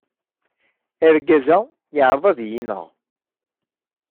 Argaz-a yeɛreḍ ad iyi-ineɣ.